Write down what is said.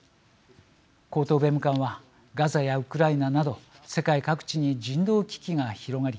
高等弁務官はガザやウクライナなど世界各地に人道危機が広がり